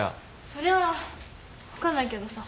それは分かんないけどさ。